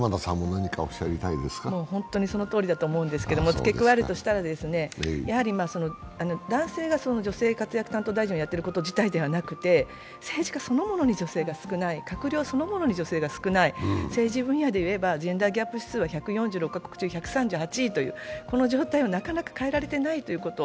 本当にそのとおりだと思うんですけど、付け加えるとしたらやはり男性が女性活躍担当大臣をやっていることではなくて、政治家そのものに女性が少ない、閣僚そのものに女性が少ない、政治分野でいえばジェンダーギャップ指数が１３８位という状態をなかなか変えられていないということ。